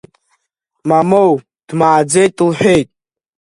Мамоу, дмааӡеит, – лҳәеит.